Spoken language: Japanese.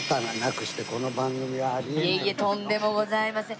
いえいえとんでもございません。